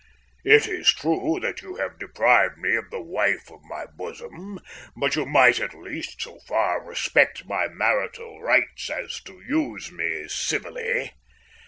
It is true that you have deprived me of the wife of my bosom, but you might at least so far respect my marital rights as to use me civilly."